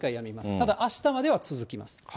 ただ、あしたまでは続きます。